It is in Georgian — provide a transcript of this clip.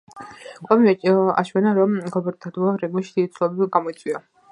კვლევებმა აჩვენა, რომ გლობალურმა დათბობამ რეგიონში დიდი ცვლილებები გამოიწვია.